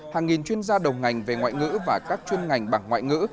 hàng nghìn chuyên gia đầu ngành về ngoại ngữ và các chuyên ngành bằng ngoại ngữ